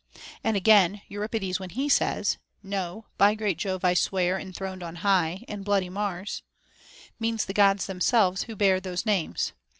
Again, Euripides, when he says, No ; by great Jove I swear, enthroned on high, And bloody Mars, * means the Gods themselves who bare those names.